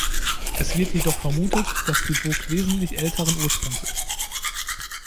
Es wird jedoch vermutet, dass die Burg wesentlich älteren Ursprungs ist.